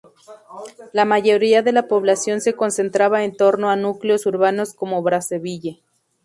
La mayoría de la población se concentraba en torno a núcleos urbanos como Brazzaville.